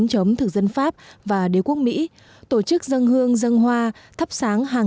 chiến chống thực dân pháp và đế quốc mỹ tổ chức dâng hương dâng hoa thắp sáng hàng